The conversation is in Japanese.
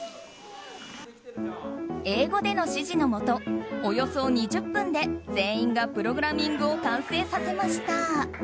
英語での指示のもとおよそ２０分で全員がプログラミングを完成させました。